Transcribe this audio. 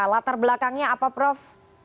latar belakangnya apa prof